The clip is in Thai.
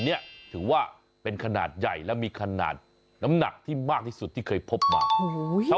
เนี่ยถือว่าเป็นขนาดใหญ่และมีขนาดน้ำหนักที่มากที่สุดที่เคยพบมา